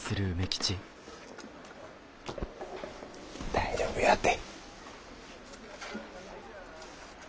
大丈夫やて。